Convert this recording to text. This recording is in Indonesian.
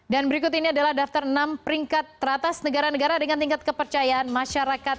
dan berikut ini adalah daftar enam peringkat teratas negara negara dengan tingkat kepercayaan masyarakat